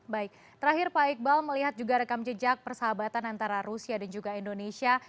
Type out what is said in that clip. baik terakhir pak iqbal melihat juga rekam jejak persahabatan antara rusia dan juga indonesia